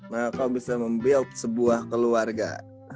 nah kau bisa mem build sebuah keluarga